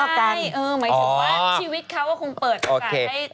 ไม่ใช่หมายถึงว่าชีวิตเขาคงเปิดอากาศให้